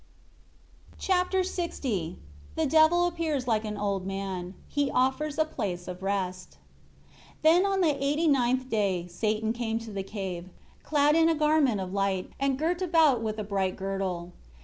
Chapter LX The Devil appears like an old man. He offers "a place of rest." 1 Then on the eighty ninth day, Satan came to the cave, clad in a garment of light, and girt about with a bright girdle.